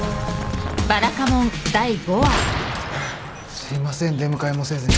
すいません出迎えもせずに。